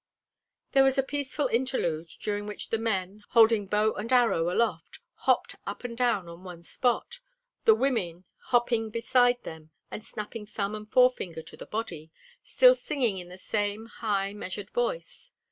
There was a peaceful interlude, during which the men, holding bow and arrow aloft, hopped up and down on one spot, the women hopping beside them and snapping thumb and forefinger on the body, still singing in the same high measured voice.